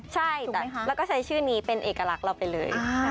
ใช่แล้วก็ใช้ชื่อนี้เป็นเอกลักษณ์เราไปเลย